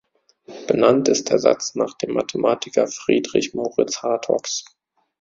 Benannt ist der Satz nach dem Mathematiker Friedrich Moritz Hartogs.